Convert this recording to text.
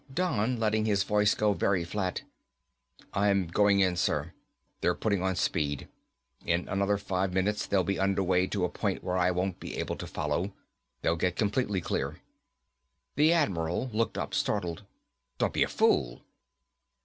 Don said, letting his voice go very flat, "I'm going in, sir. They're putting on speed. In another five minutes they'll be underway to the point where I won't be able to follow. They'll get completely clear." The Admiral looked up, startled. "Don't be a fool."